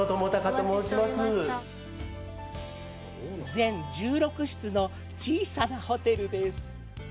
全１６室の小さなホテルです。